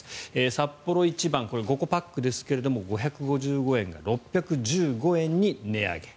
サッポロ一番これは５個パックですが５５５円が６１５円に値上げ。